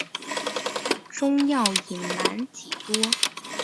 仲要隐瞒几多？